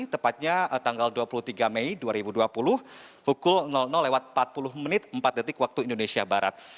tepatnya tanggal dua puluh tiga mei dua ribu dua puluh pukul empat puluh menit empat detik waktu indonesia barat